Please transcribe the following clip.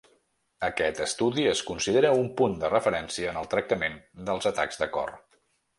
Aquest estudi es considera un punt de referència en el tractament dels atacs de cor.